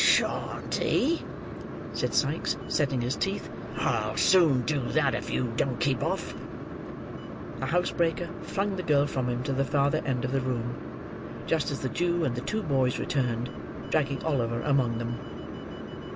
"Shan't he!" said Sikes, setting his teeth. "I'll soon do that, if you don't keep off." The housebreaker flung the girl from him to the further end of the room, just as the Jew and the two boys returned, dragging Oliver among them.